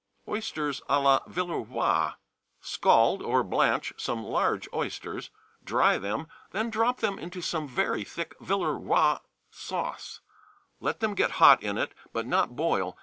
Oysters à la Villeroi. Scald (or blanch) some large oysters, dry them, then drop them into some very thick Villeroi sauce,[71 *] let them get hot in it, but not boil.